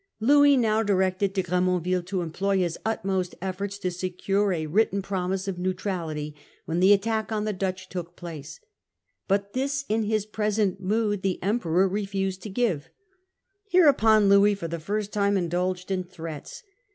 Louis now directed De Gremonville to employ his utmost efforts to secure a written promise of neutrality when the attack on the Dutch took place. But threatens the this, in his present mood, the Emperor refused Treaty°De to £ lve Hereupon Louis, for the first time, cember 18, indulged in threats.